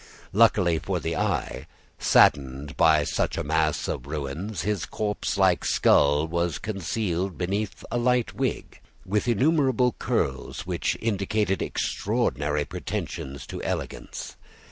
Luckily for the eye, saddened by such a mass of ruins, his corpse like skull was concealed beneath a light wig, with innumerable curls which indicated extraordinary pretensions to elegance.